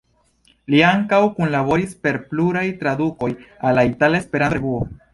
Li ankaŭ kunlaboris per pluraj tradukoj al la "Itala Esperanto-Revuo".